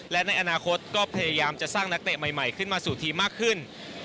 และในอนาคตก็พยายามจะสร้างนักเตะใหม่ขึ้นมาสู่ทีมมากขึ้น